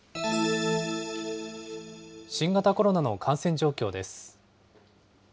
新型コロナの感染状況です。